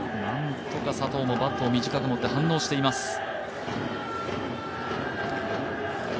なんとか佐藤もバットを短く持って反応しています。